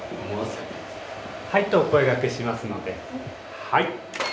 はいとお声がけしますのではい。